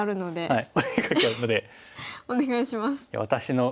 はい。